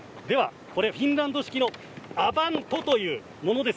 フィンランド式のアバントというものです。